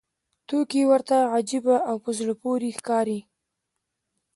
توکي ورته عجیبه او په زړه پورې ښکاري